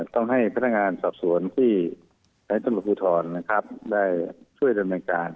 ต้องให้พันธ์ทางศาสตรศูนย์กรไตณภูทรได้ช่วยรับการ